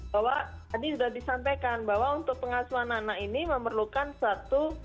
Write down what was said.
bahwa tadi sudah disampaikan bahwa untuk pengasuhan anak ini memerlukan satu